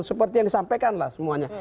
seperti yang disampaikan lah semuanya